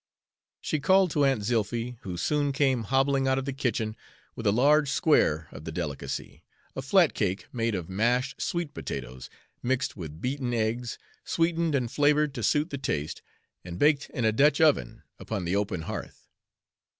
She called to Aunt Zilphy, who soon came hobbling out of the kitchen with a large square of the delicacy, a flat cake made of mashed sweet potatoes, mixed with beaten eggs, sweetened and flavored to suit the taste, and baked in a Dutch oven upon the open hearth.